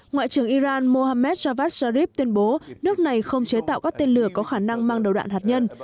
ngoại trưởng iran mohammed javad zarif tuyên bố nước này không chế tạo các tên lửa có khả năng mang đầu đạn hạt nhân